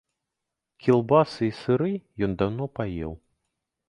Кілбасы і сыры ён даўно паеў.